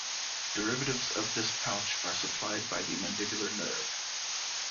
Derivatives of this pouch are supplied by Mandibular nerve.